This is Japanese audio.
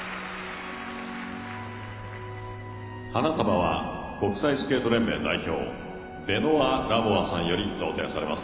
花束は国際スケート連盟代表レノア・ラボアさんより贈呈されます。